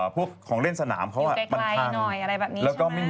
พวกของเล่นสนามเขามันพังอยู่ใกล้หน่อยอะไรแบบนี้ใช่ไหม